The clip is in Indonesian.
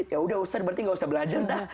ya sudah ustaz berarti tidak usah belajar dah